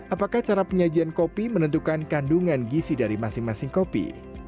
apakah cara penyajian kopi menentukan kandungan gisi dari masing masing kopi